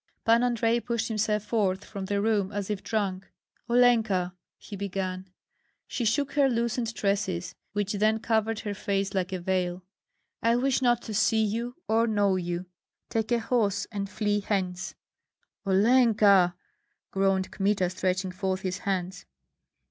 Pan Andrei pushed himself forth from the room as if drunk. "Olenka!" he began. She shook her loosened tresses, which then covered her face like a veil. "I wish not to see you or know you. Take a horse and flee hence!" "Olenka!" groaned Kmita, stretching forth his hands.